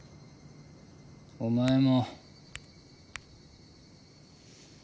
お前も。